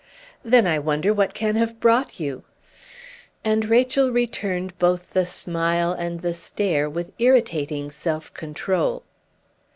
"Then I wonder what can have brought you!" And Rachel returned both the smile and the stare with irritating self control.